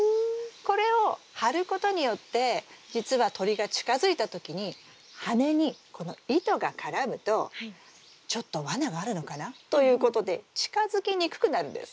これを張ることによって実は鳥が近づいた時に羽にこの糸が絡むと「ちょっとわながあるのかな？」ということで近づきにくくなるんです。